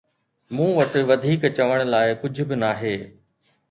مون وٽ وڌيڪ چوڻ لاءِ ڪجهه به ناهي